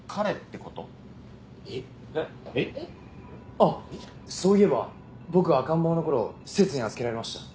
あっそういえば僕赤ん坊の頃施設に預けられました。